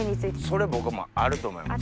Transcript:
それ僕もあると思います。